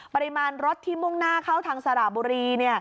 ปริมาณรถที่มุ่งหน้าเข้าทางสระบุรี